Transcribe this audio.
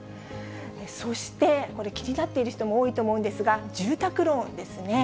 そして、これ気になっている人も多いと思うんですが、住宅ローンですね。